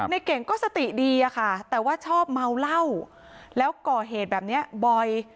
เก่งก็สติดีอะค่ะแต่ว่าชอบเมาเหล้าแล้วก่อเหตุแบบนี้บ่อย